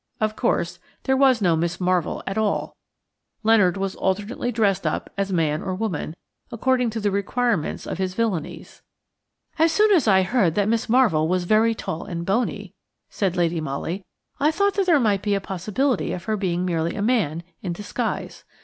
Of course, there was no Miss Marvell at all. Leonard was alternately dressed up as man or woman, according to the requirements of his villainies. "As soon as I heard that Miss Marvell was very tall and bony," said Lady Molly, "I thought that there might be a possibility of her being merely a man in disguise.